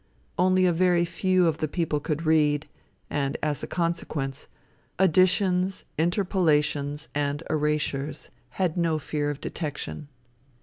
Only a very few of the people could read, and, as a consequence, additions, interpolations and erasures had no fear of detection.